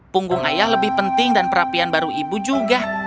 punggung ayah lebih penting dan perapian baru ibu juga